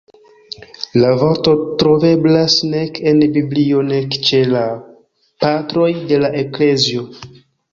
La vorto troveblas nek en Biblio nek ĉe "la Patroj de la Eklezio".